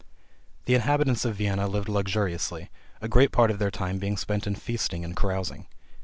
The inhabitants of Vienna lived luxuriously, a great part of their time being spent in feasting and carousing.